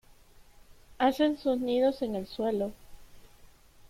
Hacen sus nidos en el suelo.